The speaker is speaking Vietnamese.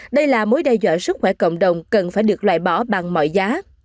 đây là mối đe dọa sức khỏe cộng đồng cần phải được loại bỏ bằng mọi giá